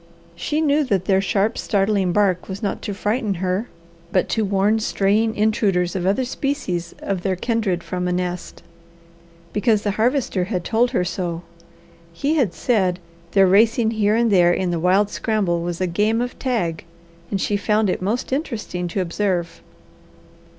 She knew that their sharp, startling bark was not to frighten her, but to warn straying intruders of other species of their kindred from a nest, because the Harvester had told her so. He had said their racing here and there in wild scramble was a game of tag and she found it most interesting to observe.